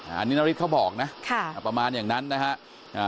อันนี้นาริสเขาบอกนะค่ะอ่าประมาณอย่างนั้นนะฮะ